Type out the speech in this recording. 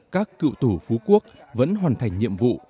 các cựu tù phú quốc vẫn hoàn thành nhiệm vụ